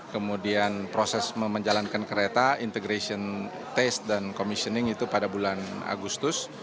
kemudian proses menjalankan kereta integration taste dan commissioning itu pada bulan agustus